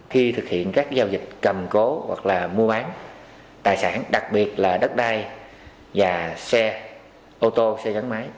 khi thực hiện các giao dịch cầm cố hoặc là mua bán tài sản đặc biệt là đất đai và xe ô tô xe gắn máy